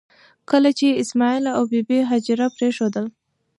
کله چې یې اسماعیل او بي بي هاجره پرېښودل.